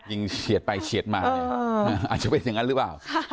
เฉียดไปเฉียดมาเนี่ยอาจจะเป็นอย่างนั้นหรือเปล่า